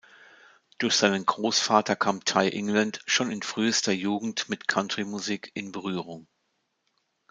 Durch seinen Großvater kam Ty England schon in frühester Jugend mit Country-Musik in Berührung.